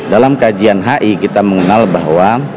dalam kajian hi kita mengenal bahwa